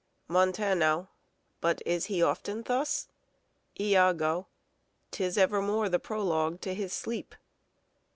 Montano. But is he often thus Iago. 'Tis evermore the prologue to his sleep.